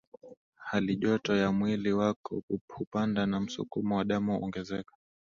halijoto ya mwili wako hupanda na msukumo wa damu kuongezeka